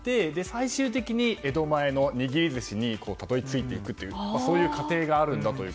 最終的に江戸前の握り寿司にたどり着いていくっていうそういう過程があるんだと。